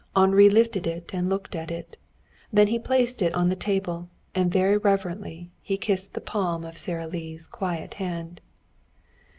Henri lifted it and looked at it. Then he placed it on the table, and very reverently he kissed the palm of Sara Lee's quiet hand.